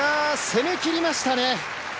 攻めきりましたね。